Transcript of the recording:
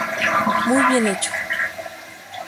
Muy bien hecho"".